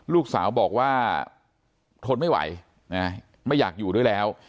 ลูกสาวบอกว่าทนไม่ไหวไม่อยากอยู่ด้วยแล้ว